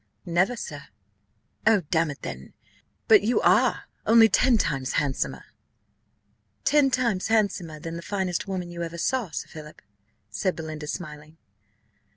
"Never, sir." "Oh, damn it then, but you are; only ten times handsomer." "Ten times handsomer than the finest woman you ever saw, Sir Philip?" said Belinda, smiling.